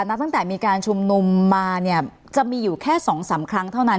ตั้งแต่มีการชุมนุมมาเนี่ยจะมีอยู่แค่๒๓ครั้งเท่านั้น